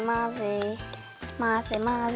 まぜまぜ。